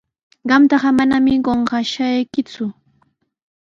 Qamtaqa manami qunqashaykiku.